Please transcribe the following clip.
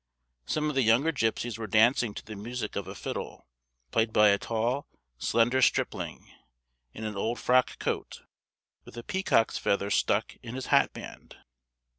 Some of the younger gipsies were dancing to the music of a fiddle, played by a tall, slender stripling, in an old frock coat, with a peacock's feather stuck in his hatband.